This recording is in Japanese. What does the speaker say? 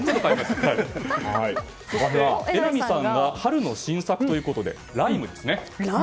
そして榎並さんが春の新作ということでライムですね。